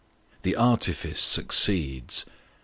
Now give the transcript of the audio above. The artifice succeeds.